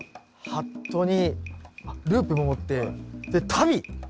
ハットにルーペも持って足袋！